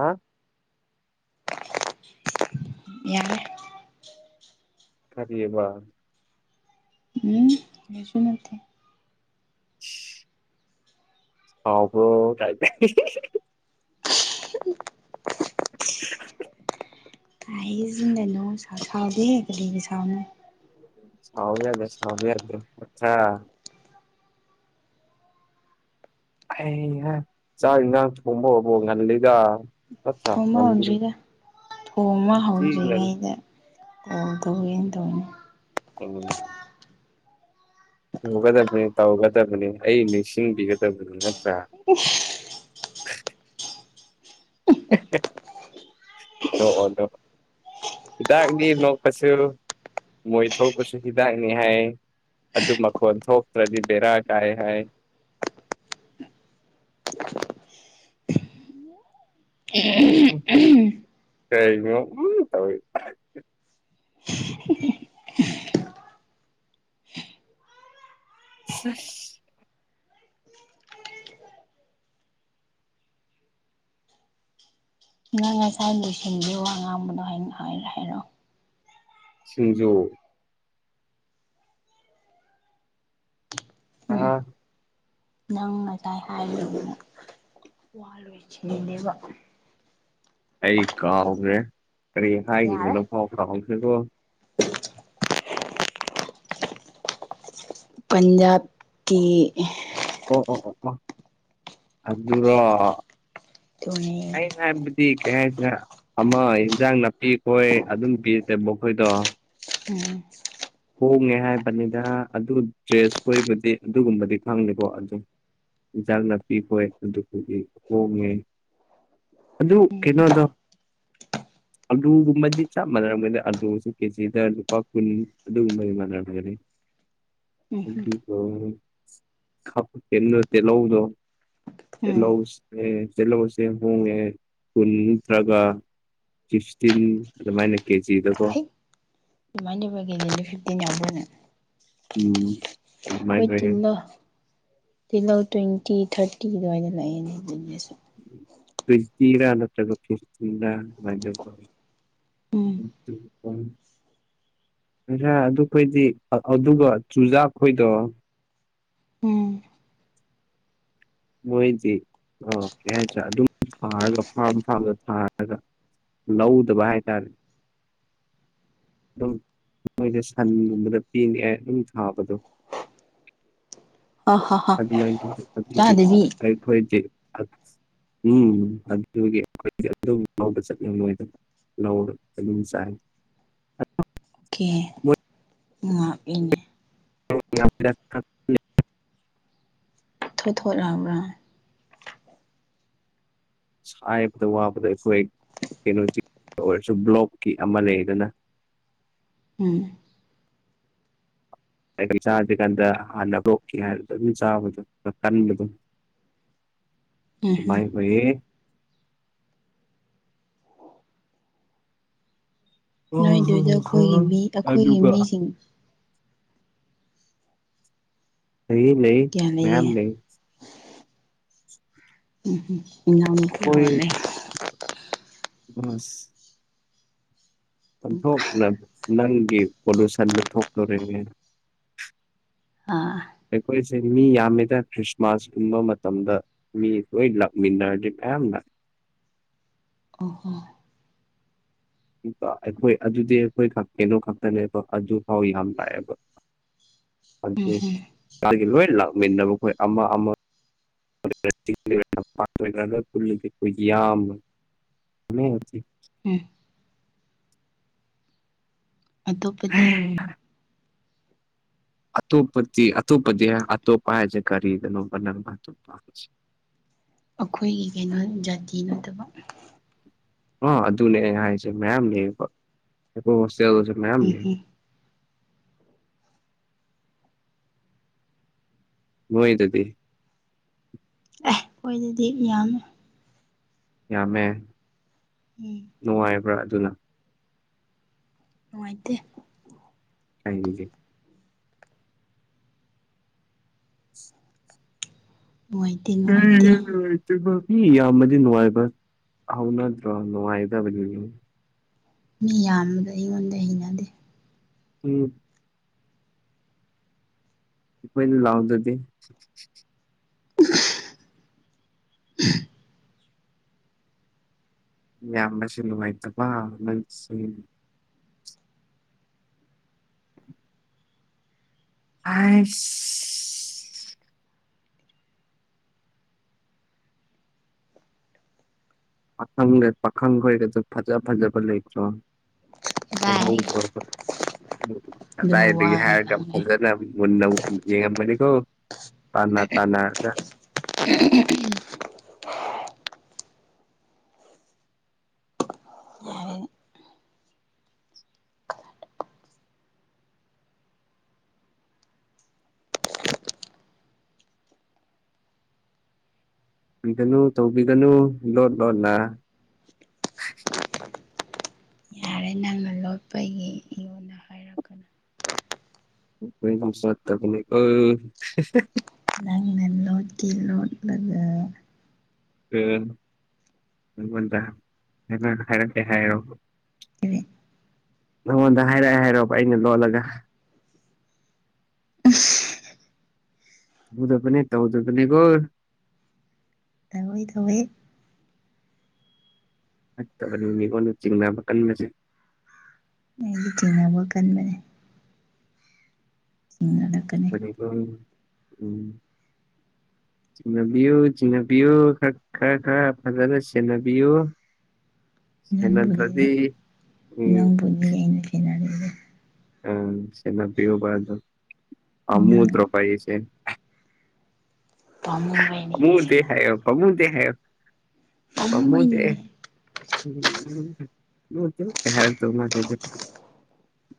ꯍꯥꯥ꯫ ꯌꯥꯔꯦ꯫ ꯈꯔꯤꯌꯦꯕ꯫ ꯎꯝ ꯀꯁꯨ ꯅꯠꯇꯦ꯫ ꯁꯥꯎꯕ꯭ꯔꯣ ꯀꯥꯏꯅꯥ꯫ [unintelligible] ꯍꯥꯏꯖꯤꯟꯅꯥꯅꯨ ꯁꯎ ꯁꯥꯎꯗꯦ ꯀꯔꯤꯒꯤ ꯁꯥꯎꯅꯤ꯫ ꯁꯥꯎꯕ ꯌꯥꯗꯦ ꯁꯥꯎꯕ ꯌꯥꯗꯦ ꯞꯊꯥ꯫ ꯑꯩ ꯍꯦ ꯆꯥꯛ ꯏꯟꯈꯥꯡ ꯊꯣꯡꯕ ꯍꯧꯕꯣ ꯉꯜꯂꯤꯗ꯫ ꯅꯠꯇ꯭ꯔꯥ ꯊꯣꯡꯕ ꯉꯜꯂꯤ ꯍꯧꯗ꯭ꯔꯤꯗ ꯊꯣꯡꯕ ꯊꯤ ꯉꯜ ꯍꯧꯗ꯭ꯔꯤꯉꯩꯗ꯫ ꯑꯣꯟ ꯇꯧꯒꯦꯅꯥ ꯇꯧꯅꯦ꯫ ꯍ [unintelligible] ꯇꯧꯒꯗꯕꯅꯤ ꯇꯧꯒꯗꯕꯅꯤ ꯑꯩ ꯅꯤꯡꯁꯤꯡꯕꯤꯒꯗꯕꯅꯤ ꯅꯠꯇ꯭ꯔꯥ꯫ ꯏꯁ꯫ ꯅꯣꯛꯑꯣ ꯅꯣꯛꯑꯣ꯫ ꯍꯤꯗꯥꯛꯅꯤ ꯅꯣꯛꯄꯁꯨ ꯃꯣꯏ ꯊꯣꯛꯄꯁꯨ ꯍꯤꯗꯥꯛꯅꯤ ꯍꯥꯏ꯫ ꯑꯗꯨ ꯃꯈꯣꯟ ꯊꯣꯛꯇ꯭ꯔꯗꯤ ꯕꯦꯔꯥ ꯀꯥꯏ ꯍꯥꯏ꯫ ꯎꯝ ꯀꯔꯤꯒꯤꯅꯣ ꯎꯃ ꯇꯧꯔꯤꯗꯤ꯫ [unintelligible] [unintelligible] ꯅꯪ ꯉꯁꯥꯏ ꯂꯣꯏꯁꯤꯟꯒꯤ ꯋꯉꯥꯡꯕꯗꯣ ꯍꯥꯏ ꯍꯥꯏꯔ ꯍꯥꯏꯔꯛꯑꯣ꯫ ꯁꯤꯡꯖꯣ꯫ ꯎꯝ꯫ ꯑꯥ ꯅꯪ ꯉꯁꯥꯏ ꯍꯥꯏꯔꯤꯗꯣ ꯋꯥꯂꯣꯏꯁꯤꯅꯦꯕ꯫ ꯑꯩ ꯀꯥꯎꯈ꯭ꯔꯦ ꯀꯔꯤ ꯍꯥꯏꯈꯤꯕꯅꯣ ꯌꯥꯔꯦ ꯐꯥꯎ ꯀꯥꯎꯈ꯭ꯦꯔꯤꯕꯣ꯫ ꯑ [inaudible] ꯄꯟꯖꯥꯀꯤ꯫ ꯑꯣ ꯑꯣ ꯑꯣ ꯑꯣ ꯑꯗꯨꯔꯣ ꯇꯨꯅꯦ ꯑꯩꯅ ꯍꯥꯏꯕ꯫ ꯄꯤꯈꯔꯦ ꯍꯥꯏꯁꯤꯔ ꯑꯃ ꯏꯟꯖꯥꯡ ꯅꯥꯄꯤ ꯈꯣꯏ ꯑꯗꯨꯝ ꯄꯤꯔꯗꯦꯕꯈꯣꯏꯗꯣ꯫ ꯎꯝ꯫ ꯍꯣꯡꯉꯦ ꯍꯥꯏꯕꯅꯤꯗ ꯑꯗꯨ ꯗ꯭ꯔꯦꯁ ꯈꯣꯏꯕꯗꯤ ꯑꯗꯨꯒꯨꯝꯕꯗꯤ ꯈꯪꯗꯦꯀꯣ ꯑꯗꯨꯝ꯫ ꯏꯟꯖꯥꯡ ꯅꯥꯄꯤꯈꯣꯏ ꯑꯗꯨꯕꯨꯒꯤ ꯍꯣꯡꯉꯦ꯫ ꯑꯗꯨ ꯀꯩꯅꯣꯗꯣ꯫ ꯑꯥꯂꯨꯒꯨꯝꯕꯗꯤ ꯆꯞ ꯃꯥꯟꯅꯝꯒꯅ ꯑꯥꯂꯨꯁ ꯀꯦꯖꯤꯗ ꯂꯨꯄꯥ ꯀꯨꯟ꯫ ꯑꯗꯨꯨꯝꯕꯗꯤ ꯃꯅꯒꯔꯅꯤ ꯎꯝ ꯅꯠꯇꯦ ꯂꯧꯗꯣ ꯎꯝ ꯇꯤꯂꯧꯁꯦ ꯍꯣꯡꯉꯦ ꯀꯨꯟ ꯅꯠꯇ꯭ꯔꯒ ꯐꯤꯐꯇꯤꯟ ꯑꯗꯨꯃꯥꯏꯅ ꯀꯦꯖꯤꯗꯀꯣ ꯏꯃꯥꯟꯗꯨꯕꯒ ꯀꯦꯖꯤ ꯐꯤꯞꯇꯅꯦ ꯑꯃꯕ ꯎꯝ ꯑꯗꯨꯃꯥꯏꯅ ꯑꯩꯈꯣꯏ ꯑꯣꯏꯌꯦ ꯇꯤꯜꯍꯧ ꯇꯤꯜꯍꯧ ꯇ꯭ꯋꯦꯟꯇꯤ ꯊꯥꯔꯇꯤ ꯑꯗꯨꯋꯥꯏꯗ ꯂꯩꯑꯅꯦ ꯑꯗꯨꯁꯨ ꯇꯁꯇꯔ ꯅꯠꯇ꯭ꯔꯒ ꯐꯁꯇꯔꯥꯏ ꯎ ꯑꯣ ꯎꯝ ꯉꯁꯥ ꯑꯗꯨꯈꯣꯏꯗꯤ ꯑꯗꯨꯒ ꯆꯨꯖꯥꯛ ꯈꯣꯏꯗꯣ ꯎꯝ ꯃꯣꯏꯗꯤ ꯑꯣ ꯀꯩ ꯍꯥꯏꯇꯥꯔꯦ ꯑꯗꯨꯝ ꯊꯥꯔꯒ ꯐꯥꯝ ꯐꯥꯝꯗ ꯊꯥꯔꯒ ꯂꯎꯗꯕ ꯍꯥꯏ ꯇꯔꯦ ꯑꯗꯨꯝ ꯃꯣꯏꯅ ꯁꯟꯒꯨꯝꯕꯗ ꯄꯤꯉꯛꯑꯦ ꯑꯗꯨꯝ ꯊꯥꯕꯗꯣ ꯍ ꯍ ꯍ ꯑ ꯆꯥꯗꯕꯤ ꯃꯥꯈꯣꯏꯦ ꯎꯝ ꯑꯗꯨꯒꯤ ꯑꯩꯈꯣꯏꯗꯤ ꯑꯗꯨꯝꯐꯥꯎꯗ ꯆꯠꯅꯤꯡ ꯂꯣꯏꯗꯅ ꯂꯧꯧꯔ ꯑꯗꯨ ꯆꯥꯏ ꯑꯣ ꯀꯦ ꯃꯣꯏ ꯃꯥꯕꯅ [unintelligible] ꯊ ꯊꯣꯛꯛꯑꯕ꯭ꯔꯥ ꯍꯥꯏꯕꯗ ꯋꯥꯕꯗ ꯑꯩꯈꯣꯏ ꯀꯩꯅꯣꯁꯤ ꯑꯣꯏꯔꯁꯨ ꯕ꯭ꯂꯣꯛꯀꯤ ꯑꯃ ꯂꯩꯗꯅ ꯎꯝ ꯆꯥꯗ꯭ꯔꯤ ꯀꯥꯟꯗ ꯍꯥꯟꯅ ꯍꯧꯣꯛꯀꯦ ꯍꯥꯏꯔꯗ ꯑꯗꯨꯝ ꯆꯥꯕꯗꯣ ꯀꯟꯕꯗꯣ ꯎꯝ ꯎꯝ ꯃꯥꯏ ꯍꯌꯦ ꯅꯣꯏꯗꯨꯏꯗ ꯑꯩꯈꯣꯏꯒꯤ ꯃꯤ ꯑꯩꯈꯣꯏꯒꯤ ꯑꯗꯨꯒ ꯃꯤꯁꯤꯡ ꯑꯩ ꯂꯩ ꯀꯌꯥ ꯃꯌꯥꯝ ꯂꯩꯒꯦ ꯂꯩ ꯎꯝ ꯎꯝ ꯏꯎꯅꯤ ꯀ ꯍꯣꯜꯦ ꯍꯁ ꯄꯟꯊꯣꯛꯅ ꯅꯪꯒꯤ ꯄꯣꯂꯨꯁꯟꯗꯨ ꯊꯣꯛꯇꯣꯔꯤꯅꯦ ꯑꯥ ꯑꯩꯈꯣꯏꯁꯦ ꯃꯤ ꯌꯥꯝꯃꯤꯗ ꯈ꯭ꯔꯤꯁꯃꯥꯁ ꯀꯨꯝꯕ ꯃꯇꯝꯗ ꯃꯤꯣꯏ ꯂ ꯃꯤꯔꯦꯝ ꯂ ꯑꯣ ꯍꯣ ꯑꯩꯈꯣꯏ ꯑꯗꯨꯗꯤ ꯑꯩꯈꯣꯏ ꯀꯩꯅꯣ ꯈꯛꯇꯅꯦꯕ ꯑꯗꯨ ꯐꯥꯎ ꯌꯥꯝ ꯂꯥꯛꯑꯦꯕ ꯑꯗꯨ ꯃꯥꯒꯤ ꯂꯣꯏ ꯂꯥꯛꯃꯤꯟꯅꯕ ꯑꯩꯈꯣꯏ ꯑꯃ ꯑꯃ ꯄꯨꯣꯏ ꯌꯥꯝ ꯎꯝ ꯑꯇꯣꯞꯄꯗꯤ ꯑꯣꯞꯄꯗꯤ ꯑꯇꯣꯞꯄꯗꯤ ꯑꯇꯣꯞꯄ ꯍꯥꯏꯖꯦ ꯀꯔꯤꯗꯅꯔꯣꯞꯄ ꯑꯩꯈꯣꯏꯒꯤ ꯀꯩꯅꯣ ꯖꯥꯇꯤ ꯅꯠꯇꯕ ꯑ ꯑꯗꯨꯅꯦ ꯑꯩ ꯍꯥꯏꯁꯦ ꯃꯌꯥꯝ ꯂꯩꯌꯦ ꯑꯩꯣꯏ ꯍꯣꯁꯇꯦꯜꯁꯨ ꯃꯌꯥꯝ ꯎꯝ ꯂꯩ ꯎꯝ ꯃꯣꯏ ꯑꯗꯨꯗꯤ ꯑꯦ ꯑꯣꯏꯣꯏꯗꯗꯤ ꯌꯥꯝꯃꯦ ꯌꯥꯝꯃꯦ ꯎꯝ ꯅꯨꯡꯉꯥꯏꯕ꯭ꯔꯥ ꯑꯗꯨꯅ ꯅꯨꯡꯉꯥꯏꯇꯦ ꯀꯩꯒꯤ ꯃꯣꯏ [unintelligible] ꯃꯤ ꯌꯥꯝꯕꯗꯤ ꯅꯨꯡꯉꯥꯏꯕ ꯍꯧꯅꯗ꯭ꯔꯣ ꯅꯨꯡꯉꯥꯏꯗꯕꯅꯤ ꯃꯤ ꯌꯥꯝꯕꯗꯨ ꯑꯩꯉꯣꯟꯗ ꯍꯩꯅꯗꯦ ꯎꯝ ꯃꯣꯏ ꯂꯥꯎꯗꯗꯤ [unintelligible] ꯌꯥꯝꯕꯁꯨ ꯅꯨꯡꯉꯥꯏꯇꯕ ꯅꯪꯁꯦ ꯑꯩꯁ ꯄꯈꯪꯅꯦ ꯄꯥꯈꯪꯒꯣꯏꯗꯁꯨ ꯐꯖꯥ ꯐꯖꯥꯕ ꯂꯩꯇ꯭ꯔꯣ ꯀꯗꯥꯏ [unintelligible] ꯑꯗꯨꯕꯨ ꯀꯗꯥꯏꯗꯒꯤ ꯋꯥꯅꯦ ꯍꯥꯏꯔꯒ ꯉꯥꯡꯅꯩ ꯐꯖꯅ ꯃꯨꯟꯅ ꯌꯦꯡꯕꯅꯤꯀꯣ ꯇꯥꯟꯅꯥ ꯇꯥꯟꯅꯥꯔꯒ ꯌꯥꯔꯦ [unintelligible] ꯇꯧꯕꯤꯒꯅꯨ ꯂꯣꯠ ꯂꯣꯟꯅ ꯌꯥꯔꯦ ꯅꯪꯅ ꯂꯣꯠꯄꯒꯤ ꯑꯩꯉꯣꯟ ꯍꯥꯏꯔꯛꯀꯅꯨ [unintelligible] ꯅꯪꯅ ꯂꯣꯠ ꯇꯤ ꯂꯣꯠꯂꯒ ꯑ ꯑꯩꯉꯣꯟꯗ ꯍꯥꯏꯔꯛꯀꯦ ꯍꯥꯏꯔꯣ ꯀꯔꯤ ꯅꯉꯣꯟꯗ ꯍꯥꯏꯔꯛꯑꯦ ꯍꯥꯏꯔꯣꯕ ꯑꯩꯅ ꯂꯣꯠꯂꯒ ꯎꯗꯕꯅꯤ ꯇꯧꯗꯕꯅꯦ ꯀꯣ ꯇꯧꯋꯦ ꯇꯧꯋꯦ ꯐꯠꯇꯕꯅꯤ ꯃꯤꯉꯣꯟꯗ ꯆꯤꯡꯅꯕ ꯀꯟꯕꯁꯦ ꯑꯩꯗꯤ ꯆꯤꯡꯅꯕ ꯀꯟꯕꯅꯦ [unintelligible] [unintelligible] ꯎꯝ ꯆꯤꯡꯅꯕꯤꯌꯨ ꯆꯤꯡꯅꯕꯤꯌꯨ ꯈꯔ ꯈꯔ ꯈꯔ ꯐꯖꯅ ꯁꯦꯟꯅꯕꯤꯌꯨ [unintelligible] ꯅꯪꯕꯨꯗꯤꯅꯦ ꯅꯇ꯭ꯔꯗꯤ ꯎꯝ [unintelligible] ꯑꯦ ꯁꯦꯟꯅꯕꯤꯌꯣꯕ ꯑꯗꯨ ꯅꯪ [unintelligible] ꯄꯥꯃꯨ ꯄꯥꯃꯨꯗꯦ ꯍꯥꯏꯌꯣ ꯄꯥꯝꯃꯨꯗꯦ ꯍꯥꯏꯌꯣ ꯄꯥꯝꯃꯨꯕꯩꯅꯤꯅꯦ ꯄꯥꯝꯃꯨꯗꯦ [unintelligible]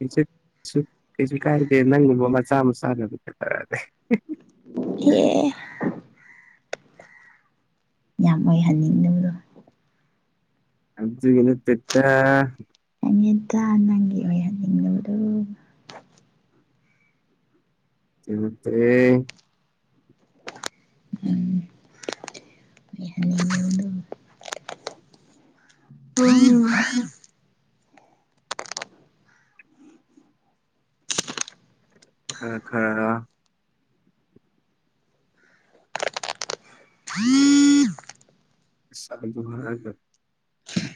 [unintelligible] [unintelligible] ꯀꯩꯁꯨ ꯀꯥꯏꯗꯦ ꯅꯪꯒꯨꯝꯕ ꯃꯆꯥ ꯃꯆꯥ [unintelligible] [unintelligible] ꯌꯥꯝ ꯑꯣꯏꯍꯟꯅꯤꯡꯗꯕꯗꯨ ꯑꯗꯨꯒꯤ ꯅꯠꯇꯦꯗ [unintelligible] ꯅꯪꯒꯤ ꯑꯣꯏꯍꯟꯅꯤꯡꯗꯕꯗꯨ [unintelligible] [unintelligible] ꯎꯝ ꯍ ꯈꯔ ꯈꯔ [unintelligible] [unintelligible]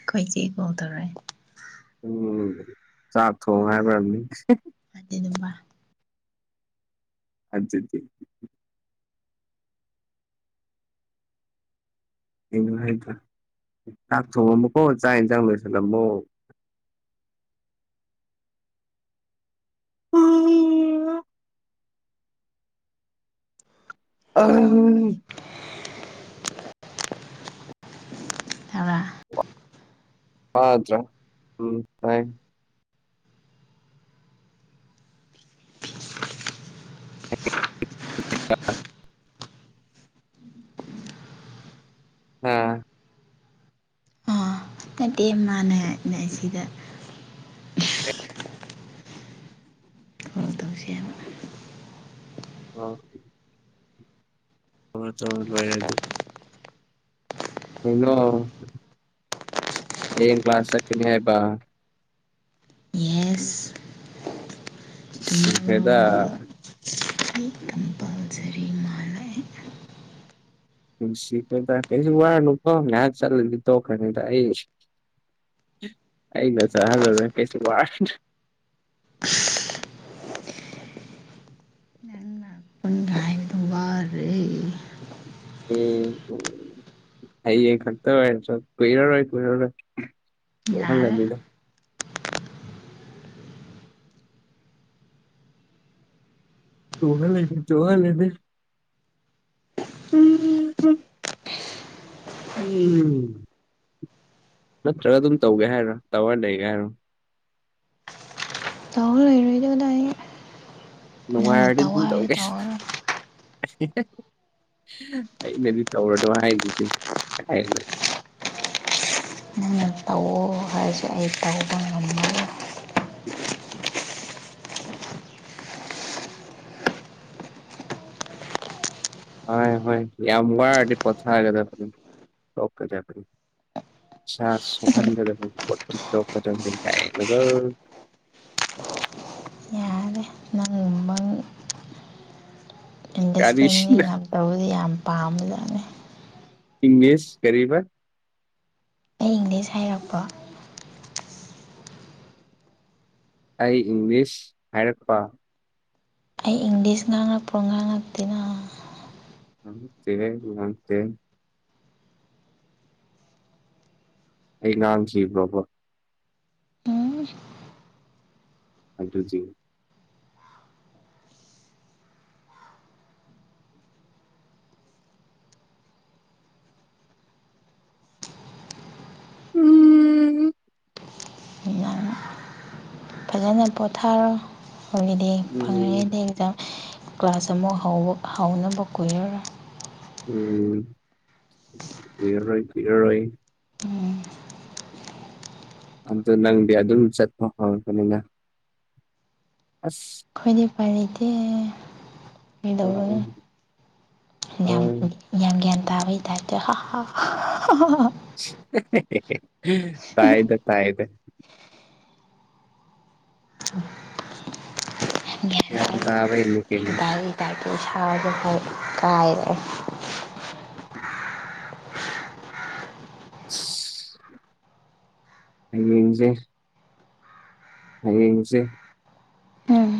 ꯑꯩꯈꯣꯏꯆꯦ ꯀꯣꯜ ꯊꯧꯔꯛꯑꯦ ꯎꯝ ꯆꯥꯛ ꯊꯣꯡꯉꯣ ꯍꯥꯏꯕ ꯑꯣꯏꯔꯝꯅꯤ [unintelligible] [unintelligible] ꯑꯩꯅ ꯍꯥꯏꯗ꯭ꯔꯥ ꯆꯥꯛ ꯊꯣꯡꯉꯝꯃꯣꯀꯣ ꯆꯥꯛ ꯌꯦꯟꯁꯥꯡ ꯂꯣꯏꯁꯜꯂꯝꯃꯣ [unintelligible] ꯑꯝ ꯊꯔꯥ ꯍꯠꯇ꯭ꯔꯥ ꯎꯝ ꯇꯥꯏ [unintelligible] ꯎꯝ ꯑꯥ ꯅꯠꯇꯦ ꯃꯥꯥꯟꯅ ꯍꯥꯏꯅ ꯁꯤꯗ ꯀꯣꯜ ꯇꯧꯁꯦ ꯍꯥꯏꯕ ꯑ ꯍ ꯇꯧꯅꯨꯡꯣꯏꯔ ꯍꯥꯏ ꯑꯗꯨ ꯍꯩꯅꯣ ꯍꯌꯦꯡ ꯀ꯭ꯂꯥꯁ ꯆꯠꯀꯅꯤ ꯍꯥꯏꯕ ꯌꯦꯁ ꯁꯤꯐꯦꯗ ꯇꯨꯃꯣꯔꯣ ꯀꯝꯄꯜꯁꯔꯤ ꯃꯥꯜꯂꯛꯑꯦ ꯁꯤꯀ ꯇ ꯀꯩꯁꯨ ꯋꯥꯔ ꯀꯣ ꯆ ꯇꯈ ꯑꯩ ꯂ ꯆ ꯍꯖꯔ ꯀꯩꯁ ꯋꯥ ꯅꯪ ꯂꯥꯛꯄꯒ ꯍꯥꯏꯕꯗꯣ ꯋꯥꯔꯦ ꯎꯝ ꯑꯩ ꯈꯔꯠꯇ ꯑꯣꯏ ꯆ ꯀꯏꯔꯔ ꯑꯣꯏ ꯀꯔ ꯌꯥꯔꯦ ꯇꯣꯍꯜꯂꯗ ꯇꯨꯍ ꯂꯩꯗꯤ ꯆꯣꯡꯍ ꯂꯩꯗꯤ ꯎꯝ ꯅꯠꯇ꯭ꯔꯒ ꯑꯗꯨꯝ ꯇꯧꯒꯦ ꯍꯥꯏꯔꯣ ꯇꯋꯥꯔ ꯂꯩꯒꯦ ꯍꯥꯏꯔꯣ ꯆ ꯂꯩꯔꯣꯏꯗꯕꯗ ꯑꯩ ꯅꯨꯡꯉꯥꯏꯔꯗꯤ ꯑꯗꯨꯝ ꯇꯧꯒꯦ ꯇꯧꯔꯔꯣꯏ ꯑꯩꯅꯗꯤ ꯇꯧꯔꯗꯣ ꯍꯥꯏꯗꯤ ꯑꯗꯨꯝ ꯍꯥꯏ ꯅꯪꯅ ꯇꯧꯑꯣ ꯍꯥꯏꯔꯁꯦ ꯑꯩ ꯇꯧꯕ ꯉꯝꯃꯣꯏ ꯎꯝ ꯍ ꯍ ꯌꯥꯝ ꯑꯃ ꯋꯥ ꯄꯊꯥꯒꯦ ꯆꯅꯤ ꯆꯅꯤ ꯆ ꯁꯣꯍꯥꯟꯗꯗꯣ ꯆꯧꯀ ꯀꯥꯏ ꯅꯒ ꯅꯪꯉꯃꯥꯡ ꯑꯟꯗꯔꯁꯇꯦꯟꯗꯤꯡ ꯀꯔꯤꯁꯤꯅ ꯌꯥꯝ ꯇꯧꯕꯗꯤ ꯌꯥꯝ ꯄꯥꯝꯕꯖꯥꯠꯅꯦ ꯏꯪꯂꯤꯁ ꯀ ꯑꯩ ꯏꯪꯂꯤꯁ ꯍꯥꯏꯔꯛꯄ ꯑꯩ ꯏꯪꯂꯤꯁ ꯍꯥꯏꯔꯛꯄ ꯑꯩ ꯏꯪꯂꯤꯁ ꯉꯥꯡꯉꯛꯄ꯭ꯔꯣ ꯉꯥꯡꯉꯛꯇꯦꯅ ꯅꯝꯁꯦ ꯅꯪꯁꯦ ꯑꯩ ꯉꯥꯡꯈꯤꯕ꯭ꯔꯣꯕꯣ ꯑ ꯍꯥꯏꯁꯤ ꯎꯝ [unintelligible] ꯐꯖꯅ ꯄꯣꯊꯥꯔꯣ ꯑꯩꯒꯤꯗꯤ ꯎꯝ ꯐꯪꯉꯗꯤ ꯑꯦꯛꯖꯥꯝ ꯀ꯭ꯂꯥꯁ ꯑꯃ ꯍꯥꯎꯅꯕ ꯀꯣꯏꯔꯔ ꯎꯝ ꯀꯔꯣꯏ ꯀꯤꯔꯔꯣꯏ ꯎꯝ ꯑꯗꯣ ꯅꯪꯗꯤ ꯑꯗꯨꯝ ꯆꯠꯄ ꯍꯧꯪꯄꯅꯤꯅ ꯑꯁ ꯑꯩꯈꯣꯏꯗꯤ ꯄꯥꯔꯤꯇꯦ ꯑ ꯀꯩꯗꯧꯕꯅꯤ ꯑ ꯌꯥꯝ ꯌꯥꯝ ꯒ꯭ꯌꯥꯟ ꯇꯥꯕꯩ ꯇꯔꯗꯤꯣ ꯇꯥꯏꯗꯦ ꯇꯥꯏꯗꯦ ꯒ꯭ꯌꯥꯟ ꯇꯥꯕ꯭ꯔꯥ ꯌꯦꯡꯉꯨ ꯇꯥꯏꯌꯦ ꯇꯥꯏꯗꯦ ꯏꯁꯥꯐꯥꯎ ꯏꯀꯥꯏꯔꯦ ꯎꯝ [inaudible] ꯍꯥꯌꯦꯡꯖꯦ ꯍꯥꯌꯦꯡꯖꯦ ꯎꯝ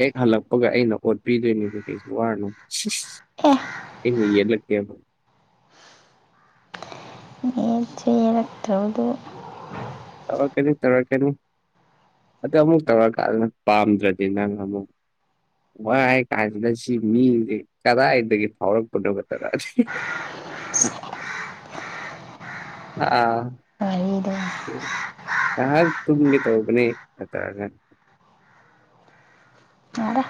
ꯍꯦꯛ ꯍꯜꯂꯛꯄꯒ ꯑꯩꯅ ꯑꯣꯠ ꯄꯤꯗꯣꯏꯅꯦꯕ ꯀꯩꯁꯨ ꯋꯥꯔꯨꯅꯨ ꯑꯦ ꯑꯩꯅ ꯌꯦꯂꯛꯀꯦꯕ [unintelligible] ꯅꯠꯇꯧꯗꯨ ꯇꯧꯔꯛꯀꯅꯤ ꯇꯧꯔꯛꯀꯅꯤ ꯑꯗꯥ ꯑꯃꯨꯛ ꯇꯧꯔꯛꯀꯥꯟꯗ ꯄꯥꯝꯗ꯭ꯔꯥꯗꯤ ꯅꯪ ꯑꯃꯨꯛ ꯋꯥꯏ ꯀꯥꯟꯖꯤꯗ ꯁꯤ ꯃꯤꯖꯦ ꯀꯗꯥꯏꯗꯒꯤ ꯐꯥꯎꯔꯛꯄꯅꯣ ꯒꯥ ꯇꯧꯔꯛꯑꯅꯤ ꯑꯥ ꯋꯥꯔꯤꯗꯣ ꯉꯍꯥꯛ ꯇꯨꯝꯒꯦ ꯇꯧꯕꯅꯦ ꯀꯇ꯭ꯔꯗ ꯌꯥꯔꯦ